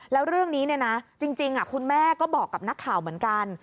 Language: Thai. แล้วเรื่องนี้จริงคุณแม่ก็บอกกับนักข่าวเหมือนกัน